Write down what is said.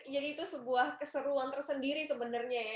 jadi itu sebuah keseruan tersendiri sebenarnya ya